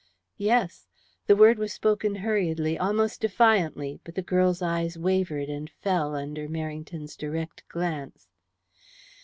"Yes." The word was spoken hurriedly, almost defiantly, but the girl's eyes wavered and fell under Merrington's direct glance.